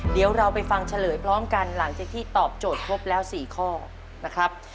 เดี๋ยวเราไปฟังเฉลยพร้อมกันหลังจากที่ตอบโจทย์ครบแล้ว๔ข้อนะครับ